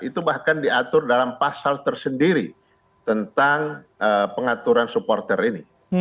itu bahkan diatur dalam pasal tersendiri tentang pengaturan supporter ini